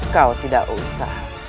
kau tidak usah